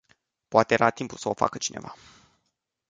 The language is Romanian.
Poate era timpul să o facă cineva.